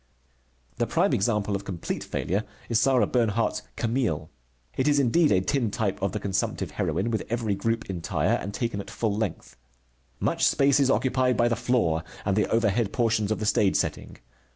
The prime example of complete failure is Sarah Bernhardt's Camille. It is indeed a tintype of the consumptive heroine, with every group entire, and taken at full length. Much space is occupied by the floor and the overhead portions of the stage setting.